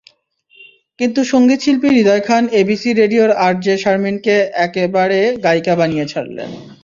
কিন্তু সংগীতশিল্পী হৃদয় খান এবিসি রেডিওর আরজে শারমীনকে একেবারে গায়িকা বানিয়ে ছাড়লেন।